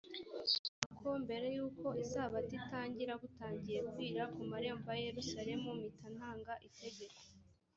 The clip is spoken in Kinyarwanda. nuko mbere y’uko isabato itangira butangiye kwira ku marembo ya yerusalemu mpita ntanga itegeko